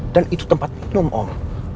dan itu tempat minum om